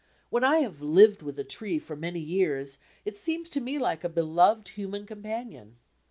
When I have "lived with" a tree for many years it seems to me like a beloved human companion.